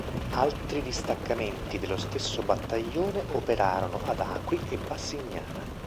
Altri distaccamenti dello stesso Battaglione operarono ad Acqui e Bassignana.